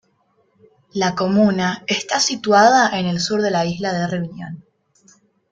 La comuna está situada en el sur de la isla de Reunión.